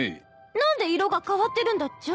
何で色が変わってるんだっちゃ？